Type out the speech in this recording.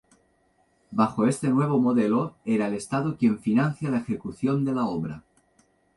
Bajo este nuevo modelo, era el Estado quien financia la ejecución de la obra.